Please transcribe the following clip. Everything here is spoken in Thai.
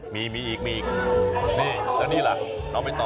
มีอีกนี่แล้วนี่ล่ะเอาไปต่อ